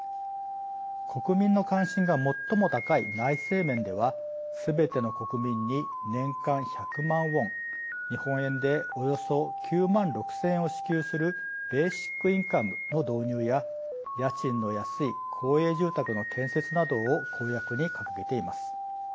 国民の関心が最も高い内政面ではすべての国民に年間１００万ウォン日本円でおよそ９万６０００円を支給するベーシックインカムの導入や家賃の安い公営住宅の建設などを公約に掲げています。